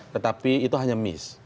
tetapi itu hanya miss